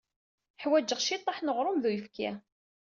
Ḥwajeɣ ciṭṭaḥ n uɣrum d uyefki.